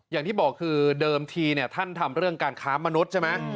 อย่างที่บอกคือเดิมทีท่านทำเรื่องการค้ามนุษย์ใช่ไหม